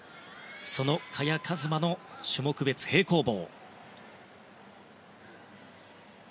その萱和磨の種目別平行棒。